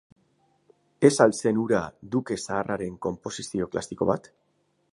Ez al zen hura Duke zaharraren konposizio klasiko bat?